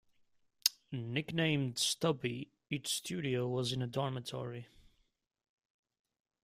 Nicknamed "Stubby", its studio was in a dormitory.